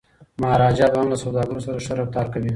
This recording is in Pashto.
مهاراجا به هم له سوداګرو سره ښه رفتار کوي.